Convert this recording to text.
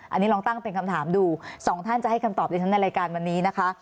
อันนี้ลองตั้งเป็นคำถามดูสองท่านจะให้คำตอบดิฉันในรายการวันนี้นะคะ